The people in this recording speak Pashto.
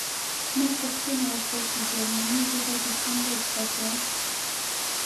ما پوښتنه وکړه چې جرمني ژبه دې څنګه زده کړه